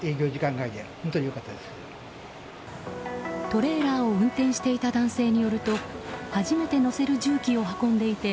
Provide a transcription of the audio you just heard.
トレーラーを運転していた男性によると初めて載せる重機を運んでいて